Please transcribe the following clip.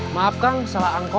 maaf kang salah angkot